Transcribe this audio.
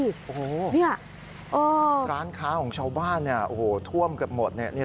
โอ้โหเนี่ยร้านค้าของชาวบ้านเนี่ยโอ้โหท่วมเกือบหมดเนี่ย